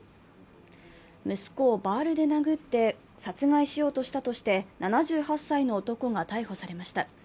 息子をバールで殴って殺害しようとしたとして７８歳の男が逮捕されました。